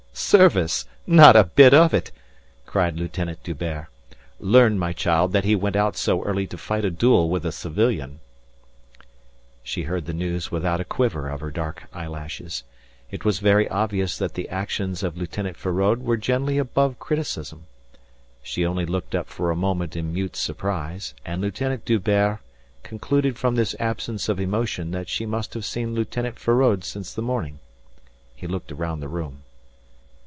"Service? Not a bit of it!" cried Lieutenant D'Hubert. "Learn, my child, that he went out so early to fight a duel with a civilian." She heard the news without a quiver of her dark eyelashes. It was very obvious that the actions of Lieutenant Feraud were generally above criticism. She only looked up for a moment in mute surprise, and Lieutenant D'Hubert concluded from this absence of emotion that she must have seen Lieutenant Feraud since the morning. He looked around the room.